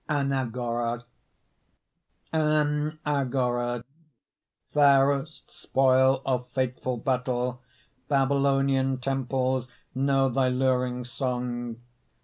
ANAGORA Anagora, fairest Spoil of fateful battle, Babylonian temples Knew thy luring song.